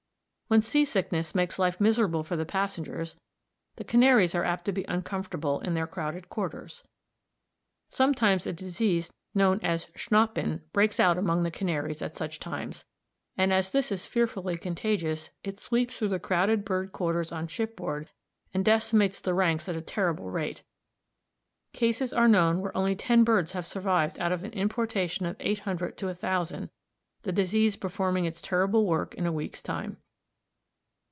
When seasickness makes life miserable for the passengers, the canaries are apt to be uncomfortable in their crowded quarters. Sometimes a disease known as "schnappen" breaks out among the Canaries at such times, and as this is fearfully contagious, it sweeps through the crowded bird quarters on shipboard and decimates the ranks at a terrible rate. Cases are known where only ten birds have survived out of an importation of eight hundred to a thousand, the disease performing its terrible work in a week's time.